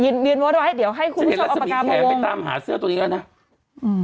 ยืนยืนวัดไว้เดี๋ยวให้คุณผู้ชมอัปกาศวงค์จะเห็นลักษณีย์แขมไปตามหาเสื้อตัวนี้แล้วนะอืม